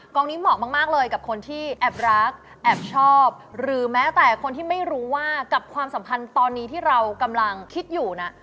นี้เหมาะมากเลยกับคนที่แอบรักแอบชอบหรือแม้แต่คนที่ไม่รู้ว่ากับความสัมพันธ์ตอนนี้ที่เรากำลังคิดอยู่นะ